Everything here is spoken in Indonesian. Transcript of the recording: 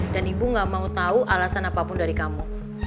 dan ibu enggak mau tahu alasan apapun dari kamu